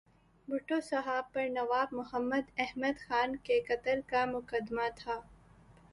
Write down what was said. بھٹو صاحب پر نواب محمد احمد خان کے قتل کا مقدمہ تھا۔